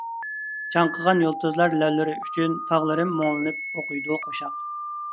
چاڭقىغان يۇلتۇزلار لەۋلىرى ئۈچۈن تاغلىرىم مۇڭلىنىپ ئوقۇيدۇ قوشاق.